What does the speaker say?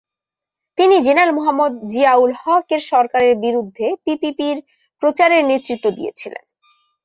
তিনি জেনারেল মুহাম্মদ জিয়া-উল-হকের সরকারের বিরুদ্ধে পিপিপির প্রচারের নেতৃত্ব দিয়েছিলেন।